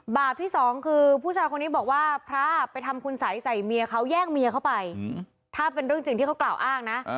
ที่สองคือผู้ชายคนนี้บอกว่าพระไปทำคุณสัยใส่เมียเขาแย่งเมียเข้าไปถ้าเป็นเรื่องจริงที่เขากล่าวอ้างนะ